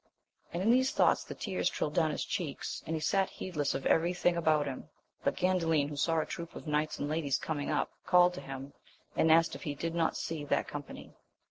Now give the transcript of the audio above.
And in these thoughts the tears trilled down his cheeks, and he sat heedless of every thing about him. But Gandalin, who saw a troop of knights and ladies coming up, called to him, and asked if he did not see that com pany?